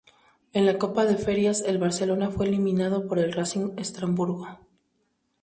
En la Copa de Ferias, el Barcelona fue eliminado por el Racing Estrasburgo.